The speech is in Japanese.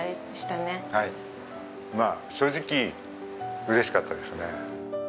まあ正直嬉しかったですね。